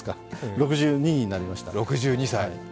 ６２になりました。